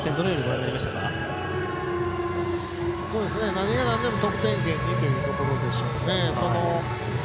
何がなんでも得点圏にというところでしょうね。